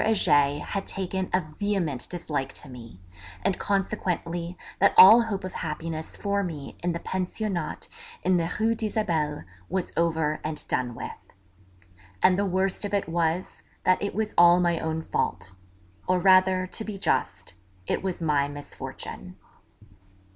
Heger had taken a vehement dislike to me, and consequently that all hope of happiness for me in the Pensionnat in the Rue d'Isabelle was over and done with. And the worst of it was, that it was all my own fault; or rather, to be just, it was my misfortune.